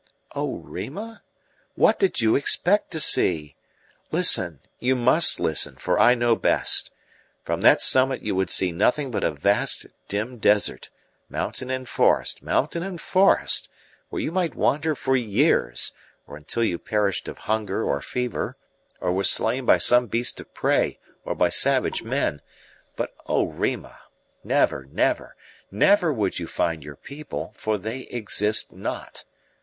"Oh, Rima, what do you expect to see? Listen you must listen, for I know best. From that summit you would see nothing but a vast dim desert, mountain and forest, mountain and forest, where you might wander for years, or until you perished of hunger or fever, or were slain by some beast of prey or by savage men; but oh, Rima, never, never, never would you find your people, for they exist not.